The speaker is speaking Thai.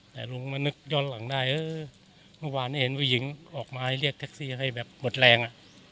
แต่ลุงมานึกย้อนหลังได้เออเมื่อวานเห็นผู้หญิงออกมาเรียกแท็กซี่ให้แบบหมดแรง